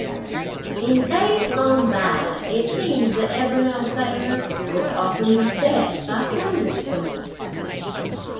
In days gone by it seems that Ebernoe Fair was often beset by thunderstorms.